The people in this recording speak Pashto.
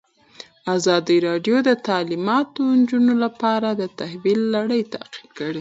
ازادي راډیو د تعلیمات د نجونو لپاره د تحول لړۍ تعقیب کړې.